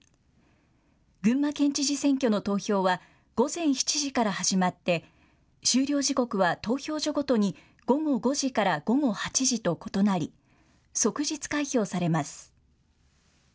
群馬県知事選挙の投票は、午前７時から始まって、終了時刻は投票所ごとに午後５時から午後８時と異なり、即日開票されます。